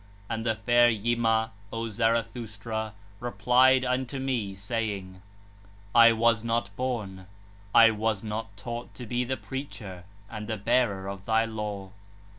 And the fair Yima, O Zarathustra, replied unto me, saying: p. 12 'I was not born, I was not taught to be the preacher and the bearer of thy law 1.'